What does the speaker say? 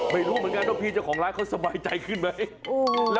ไม่รู้เหมือนกันว่าพี่เจ้าของร้านเขาสบายใจขึ้นไหม